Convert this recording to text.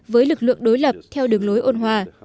với lực lượng đối lập theo đường lối ôn hòa